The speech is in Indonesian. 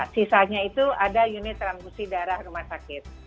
sisanya itu ada unit transkusi darah rumah sakit